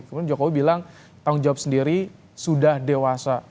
kemudian jokowi bilang tanggung jawab sendiri sudah dewasa